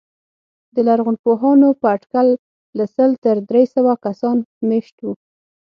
د لرغونپوهانو په اټکل له سل تر درې سوه کسان مېشت وو.